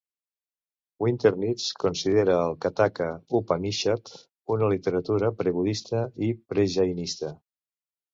Winternitz considera el Kathaka Upanishad una literatura prebudista i prejainista.